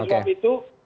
oleh sebab itu